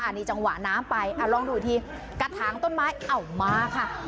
นี่จังหวะน้ำไปลองดูอีกทีกระถางต้นไม้เอามาค่ะ